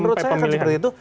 menurut saya akan seperti itu